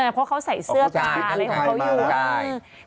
เพราะเขาใส่เสื้อตาอะไรอยู่